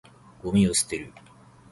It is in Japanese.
ゴミを捨てる。